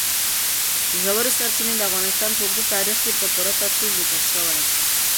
ژورې سرچینې د افغانستان په اوږده تاریخ کې په پوره تفصیل ذکر شوی.